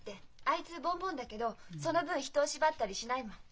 あいつボンボンだけどその分人を縛ったりしないもん。